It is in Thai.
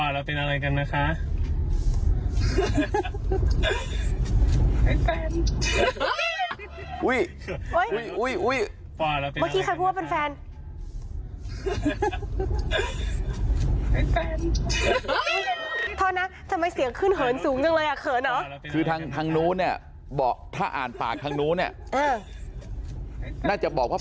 แต่ก็เขื่อนฟันเราเป็นอะไรกันนะคะ